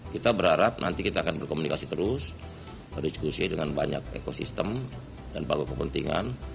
kita berharap nanti kita akan berkomunikasi terus berdiskusi dengan banyak ekosistem dan baku kepentingan